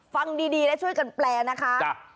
ฟังดีและช่วยกันแปลนะคะ